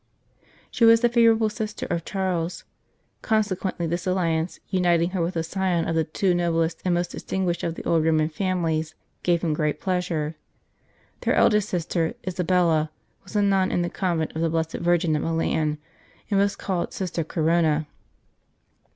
1 She was the favourite sister of Charles ; consequently this alliance, uniting her with a scion of the two noblest and most distinguished of the old Roman families, gave him great pleasure. Their eldest sister, Isabella, was a nun in the Convent of the Blessed Virgin at Milan, and was called Sister Corona.